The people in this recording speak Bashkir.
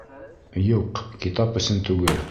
Юҡ, китап өсөн түгел.